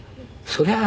そりゃあ